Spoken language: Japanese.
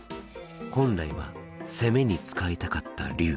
本来は攻めに使いたかった龍。